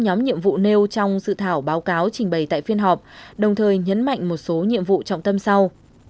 nhóm nhiệm vụ nêu trong dự thảo báo cáo trình bày tại phiên họp đồng thời nhấn mạnh một số nhiệm vụ trọng tâm sau